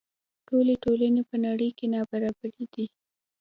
ټولې ټولنې په نړۍ کې نابرابرې دي.